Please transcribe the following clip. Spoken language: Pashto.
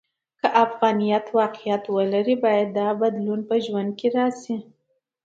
که افغانیت واقعیت ولري، باید دا بدلون د ژوند کې راشي.